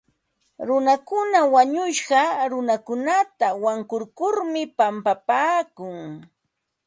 Runakuna wañushqa runakunata wankurkurmi pampapaakun.